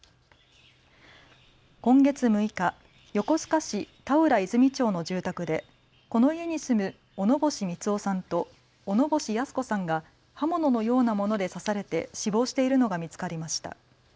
今月６日、横須賀市田浦泉町の住宅でこの家に住む小野星三男さんと小野星泰子さんが刃物のようなもので刺されて死亡しているのが見つかりました。